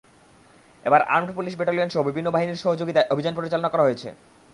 এবার armed police ব্যাটালিয়নসহ বিভিন্ন বাহিনীর সহযোগিতায় অভিযান পরিচালনা করা হয়েছে।